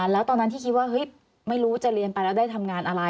แล้วตอนนั้นที่คิดว่าไม่รู้จะเรียนไปแล้วได้ทำงานอะไร